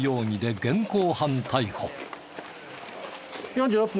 ４６分。